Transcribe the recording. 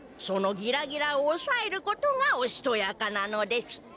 その「ギラギラ」をおさえることが「おしとやか」なのです。